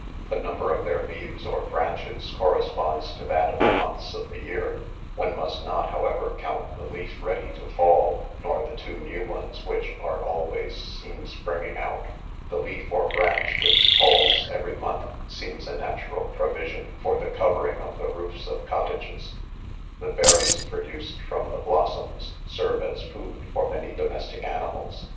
The number of their leaves or branches corresponds to that of the months of : the year; one must not, however, count the leaf ready to fall, nor the two new ones which are always seen springing out. The leaf or branch which falls every month, seems a natural provision for the covering of the roofs of cotta ges ; the berries produced from the blossoms serve as food for many domestic animals.